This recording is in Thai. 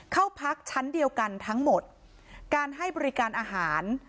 เข้าพักชั้นเดียวกันทั้งหมดการให้บริการอาหาร